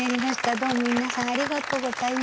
どうも皆さんありがとうございます。